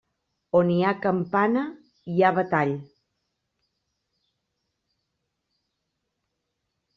On hi ha campana, hi ha batall.